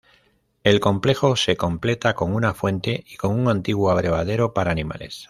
El complejo se completa con una fuente y con un antiguo abrevadero para animales.